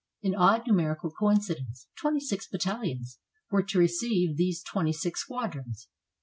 An odd numerical coincidence, twenty six battalions, were to receive these twenty six squadrons.